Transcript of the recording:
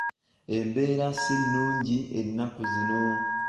Embeera si nnungi ennaku zino.